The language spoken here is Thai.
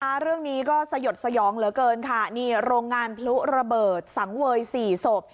เรื่องนี้ก็สยดสยองเหลือเกินค่ะนี่โรงงานพลุระเบิดสังเวยสี่ศพ